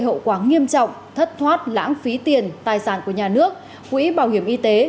hậu quả nghiêm trọng thất thoát lãng phí tiền tài sản của nhà nước quỹ bảo hiểm y tế